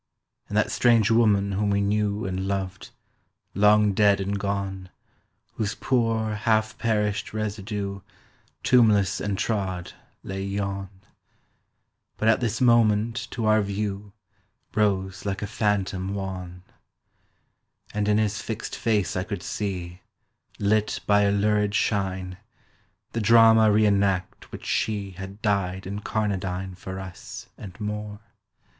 And that strange woman whom we knew And loved—long dead and gone, Whose poor half perished residue, Tombless and trod, lay yon! But at this moment to our view Rose like a phantom wan. And in his fixed face I could see, Lit by a lurid shine, The drama re enact which she Had dyed incarnadine For us, and more.